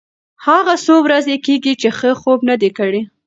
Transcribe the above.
هغه څو ورځې کېږي چې ښه خوب نه دی کړی.